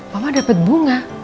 mama dapet bunga